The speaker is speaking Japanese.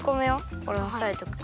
おれおさえとくから。